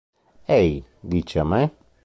Ehi, dici a me?